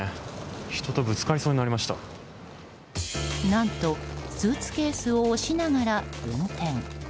何とスーツケースを押しながら運転。